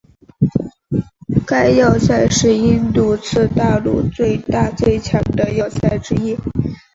该要塞是印度次大陆最大最强的要塞之一。